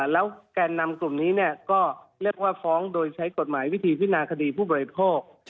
แล้วแกนนำกลุ่มนี้ก็เรียกว่าฟ้องโดยใช้กฎหมายวิธีพินาคดีผู้บริโภค